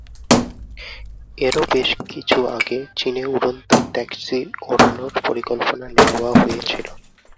এরও বেশ কিছু আগে চীনে উড়ন্ত ট্যাক্সি ওড়ানোর পরিকল্পনা নেওয়া হয়েছিল।